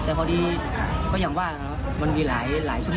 แต่พอดีก็อยากว่ามันมีหลายชนิดหลายอย่าง